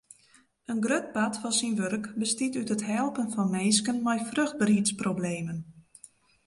In grut part fan syn wurk bestiet út it helpen fan minsken mei fruchtberheidsproblemen.